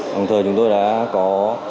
đồng thời chúng tôi đã có